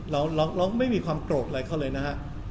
เราไม่มีความโกรธอะไรเขาเลยนะฮะ